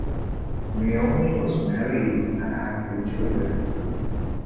Meoni was married and had two children.